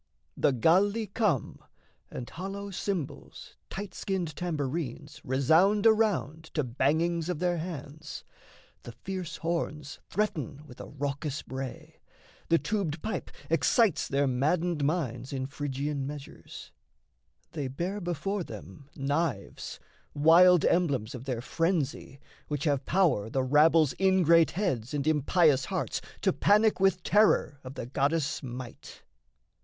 The Galli come: And hollow cymbals, tight skinned tambourines Resound around to bangings of their hands; The fierce horns threaten with a raucous bray; The tubed pipe excites their maddened minds In Phrygian measures; they bear before them knives, Wild emblems of their frenzy, which have power The rabble's ingrate heads and impious hearts To panic with terror of the goddess' might.